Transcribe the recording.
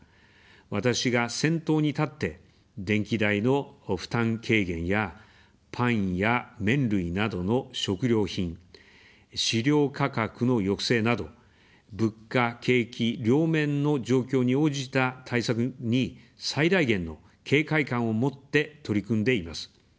私が先頭に立って、電気代の負担軽減やパンや麺類などの食料品、飼料価格の抑制など、物価、景気両面の状況に応じた対策に最大限の警戒感を持って取り組んでいます。